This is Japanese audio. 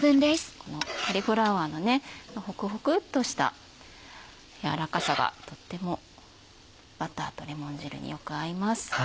このカリフラワーのホクホクっとした軟らかさがバターとレモン汁にとてもよく合います。